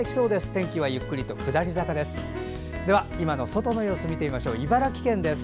天気はゆっくりと下り坂です。